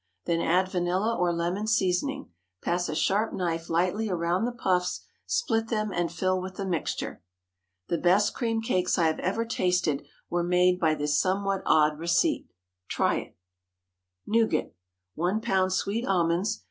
Then add vanilla or lemon seasoning; pass a sharp knife lightly around the puffs, split them, and fill with the mixture. The best cream cakes I have ever tasted were made by this somewhat odd receipt. Try it. NOUGAT. 1 lb. sweet almonds.